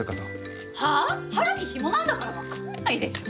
春樹ヒモなんだから分かんないでしょ！